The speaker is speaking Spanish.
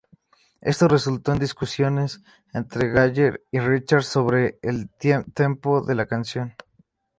Esto resultó en discusiones entre Jagger y Richards sobre el tempo de la canción.